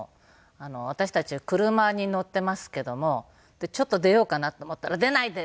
私たちは車に乗ってますけどもちょっと出ようかなと思ったら「出ないで！」って言われて。